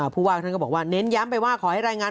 ผู้ว่าท่านก็บอกว่าเน้นย้ำไปว่าขอให้รายงาน